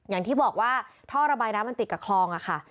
อย่างที่บอกว่าท่อระบายน้ำมันติดกับคลองอะค่ะ